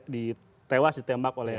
di tewas ditembak oleh